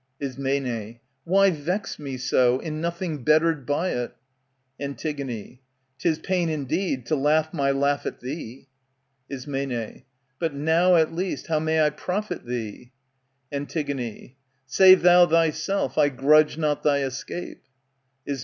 Ism, Why vex me so, in nothing bettered by it ?^^^ Antig, 'Tis pain indeed, to laugh my laugh at thee. Ism, But now, at least, how may I profit thee ? Antig, Save thou thyself I grudge not thy escape. Ism.